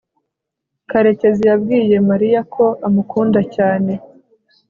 karekezi yabwiye mariya ko amukunda cyane